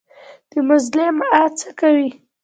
د مظلوم آه څه کوي؟